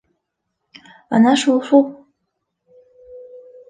Ана шул-шул!